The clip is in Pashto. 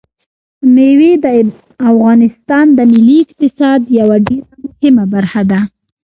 مېوې د افغانستان د ملي اقتصاد یوه ډېره مهمه برخه ده.